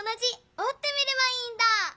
おってみればいいんだ！